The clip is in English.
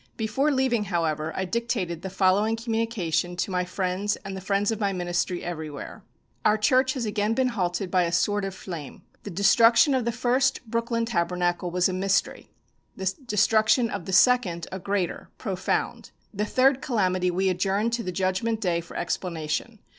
Before leaving, however, I dictated the following communication to my friends and the friends of my ministry everywhere: "Our church has again been halted by a sword of flame. The destruction of the first Brooklyn Tabernacle was a mystery. The destruction of the second a greater profound. The third calamity we adjourn to the Judgment Day for explanation.